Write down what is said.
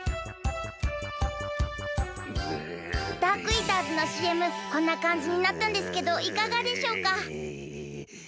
ダークイーターズのＣＭこんなかんじになったんですけどいかがでしょうか？